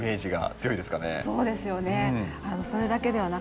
そうですね。